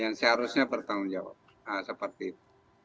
nah seperti itu